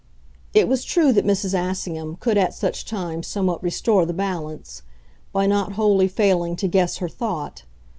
It was true that Mrs. Assingham could at such times somewhat restore the balance by not wholly failing to guess her thought.